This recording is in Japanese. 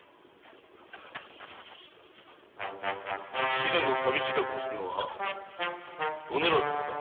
死出の旅支度をするのはうぬらの方だ。